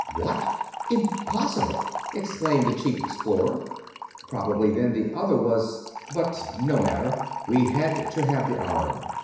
"What? Impossible!" exclaimed the chief explorer. "Probably, then, the other was but no matter, we had to have the iron.